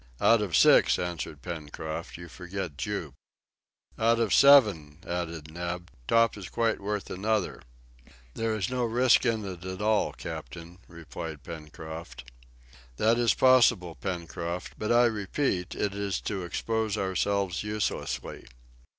"Out of six," answered Pencroft; "you forget Jup." "Out of seven," added Neb; "Top is quite worth another." "There is no risk at all in it, captain," replied Pencroft. "That is possible, Pencroft; but I repeat it is to expose ourselves uselessly."